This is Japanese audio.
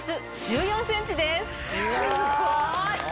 ・すごい！